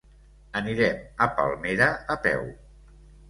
Anirem a Palmera a peu.